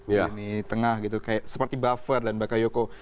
ini tengah gitu kayak seperti buffer dan bakayoko